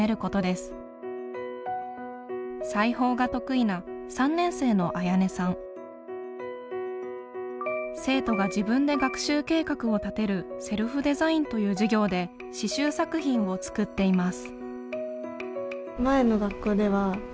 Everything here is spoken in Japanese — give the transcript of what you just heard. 裁縫が得意な生徒が自分で学習計画を立てる「セルフデザイン」という授業で刺しゅう作品を作っています。